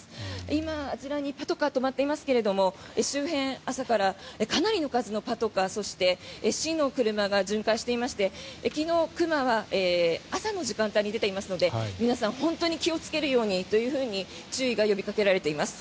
今、あちらにパトカーが止まっていますが周辺、朝からかなりの数のパトカーそして、市の車が巡回していまして昨日、熊は朝の時間帯に出ていますので皆さん、本当に気をつけるようにというふうに注意が呼びかけられています。